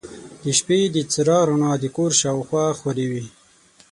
د شپې د څراغ رڼا د کور شاوخوا خورې وه.